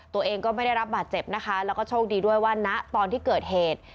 ตัวเองก็ไม่ได้รับบาดเจ็บนะคะแล้วก็โชคดีด้วยว่าณตอนที่เกิดเหตุ